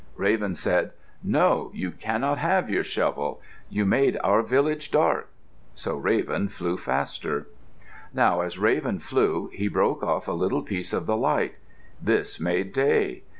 Raven said, "No, you cannot have your shovel. You made our village dark." So Raven flew faster. Now as Raven flew, he broke off a little piece of the light. This made day.